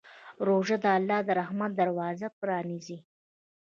روژه د الله د رحمت دروازه پرانیزي.